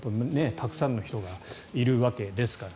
たくさんの人がいるわけですから。